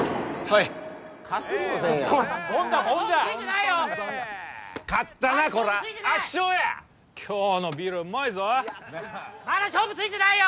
いや最高まだ勝負ついてないよ！